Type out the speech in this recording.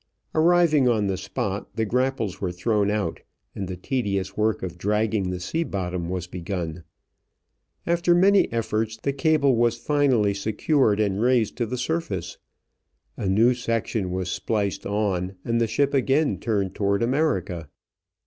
Arriving on the spot, the grapples were thrown out and the tedious work of dragging the sea bottom was begun. After many efforts the cable was finally secured and raised to the surface. A new section was spliced on and the ship again turned toward America.